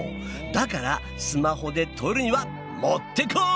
だからスマホで撮るにはもってこい！